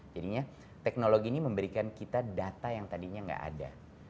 jadinya teknologi ini memberikan kita data yang tadinya nggak ada